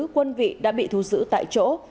quân vị đã bị thu xử tại chỗ